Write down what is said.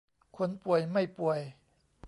คนป่วยไม่ป่วย